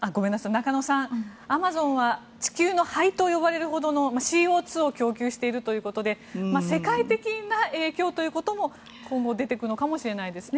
中野さん、アマゾンは地球の肺と呼ばれるほどのＣＯ２を供給しているということで世界的な影響ということも今後出てくるのかもしれないですね。